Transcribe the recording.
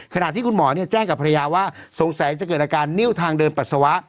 ขณะที่คุณหมอแจ้งกับภรรยาว่าสงสัยจะเกิดอาการนิ้วทางเดินปัสสาวะ